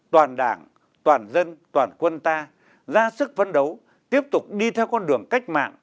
toàn đảng toàn dân toàn quân ta ra sức phấn đấu tiếp tục đi theo con đường cách mạng